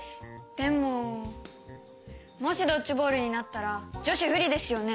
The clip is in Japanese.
でももしドッジボールになったら女子不利ですよね？